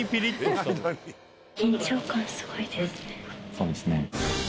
そうですね。